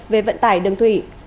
về vận tải đường thủy